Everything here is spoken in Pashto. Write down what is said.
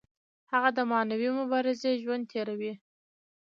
هغه د معنوي مبارزې ژوند تیروي.